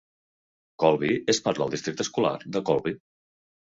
Colby és part del districte escolar de Colby.